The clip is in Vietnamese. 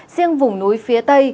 riêng vùng núi phía tây